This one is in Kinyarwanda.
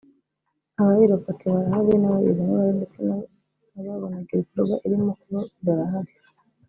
abayirokotse barahari n’abayigizemo uruhare ndetse n’ababonaga ibikorwa irimo kuba barahari